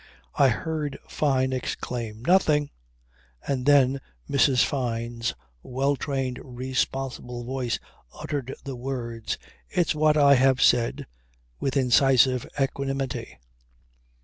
I heard Fyne exclaim "Nothing" and then Mrs. Fyne's well trained, responsible voice uttered the words, "It's what I have said," with incisive equanimity.